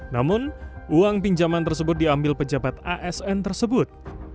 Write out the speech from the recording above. namun uang pinjaman tersebut diambil pejabat asn tersebut